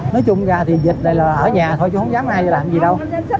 nói chung ra thì dịch này là ở nhà thôi chứ không dám ai là làm gì đâu